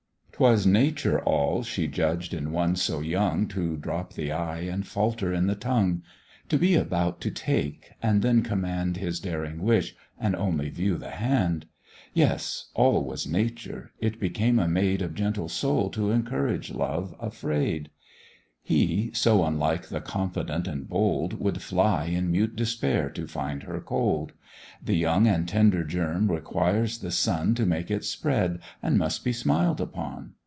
'Twas nature all, she judged, in one so young, To drop the eye and falter in the tongue; To be about to take, and then command His daring wish, and only view the hand: Yes! all was nature; it became a maid Of gentle soul t'encourage love afraid; He, so unlike the confident and bold, Would fly in mute despair to find her cold: The young and tender germ requires the sun To make it spread; it must be smiled upon.